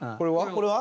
これは？